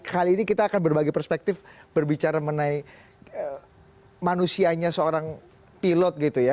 kali ini kita akan berbagi perspektif berbicara mengenai manusianya seorang pilot gitu ya